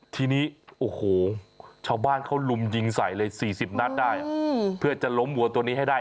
ทีนี้โอ้โหชาวบ้านเขาลุมยิงใส่เลย๔๐นัดได้เพื่อจะล้มวัวตัวนี้ให้ได้